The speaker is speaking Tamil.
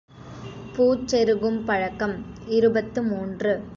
பூச் செருகும் பழக்கம் இருபத்து மூன்று.